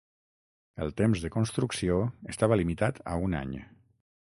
El temps de construcció estava limitat a un any.